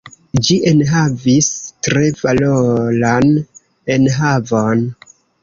Ĝi enhavis tre valoran enhavon.